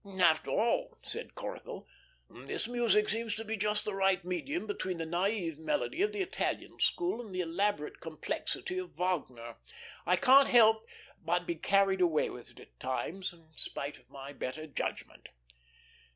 "After all," said Corthell, "this music seems to be just the right medium between the naive melody of the Italian school and the elaborate complexity of Wagner. I can't help but be carried away with it at times in spite of my better judgment."